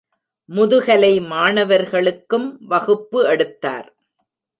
முதுகலை மாணவர்களுக்கும் வகுப்பு எடுத்தார்.